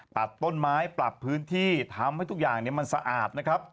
ตัดต้นไม้ปรับพื้นที่ทำให้ทุกอย่างมันสะอาดนะครับ